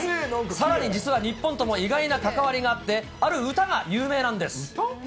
さらに実は日本とも意外な関わりがあって、ある歌が有名なんです。